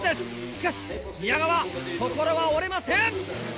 しかし宮川心は折れません！